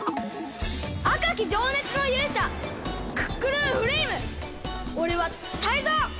あかきじょうねつのゆうしゃクックルンフレイムおれはタイゾウ！